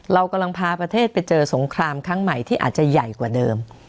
เรากำลังพาประเทศไปเจอสงครามครั้งใหม่ที่อาจจะใหญ่กว่าเดิม